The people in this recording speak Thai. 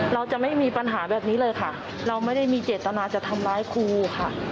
เราจะไม่มีปัญหาแบบนี้เลยค่ะเราไม่ได้มีเจตนาจะทำร้ายครูค่ะ